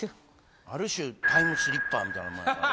ある種、タイムスリッパーみ